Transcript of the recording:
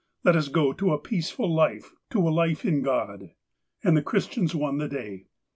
Let us go to a peace ful life — to a life in God." And the Christians won the day.